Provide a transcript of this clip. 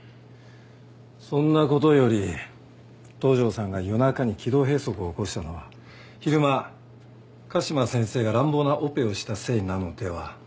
そんなことより東条さんが夜中に気道閉塞を起こしたのは昼間嘉島先生が乱暴なオペをしたせいなのでは？